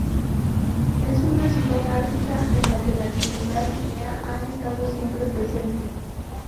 Es una ciudad ártica en la que la actividad minera ha estado siempre presente.